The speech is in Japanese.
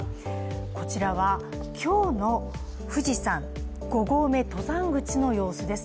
こちらは、今日の富士山五合目登山口の様子です。